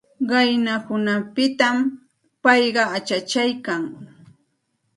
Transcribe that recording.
Qayna hunanpitam payqa achachaykan.